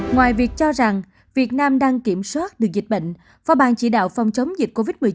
ngoài việc cho rằng việt nam đang kiểm soát được dịch bệnh phó ban chỉ đạo phòng chống dịch covid một mươi chín